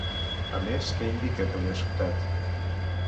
A més, què indica que li ha sobtat?